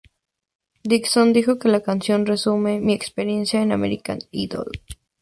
Dixon dijo que la canción "resume mi experiencia en "American Idol".